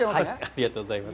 ありがとうございます。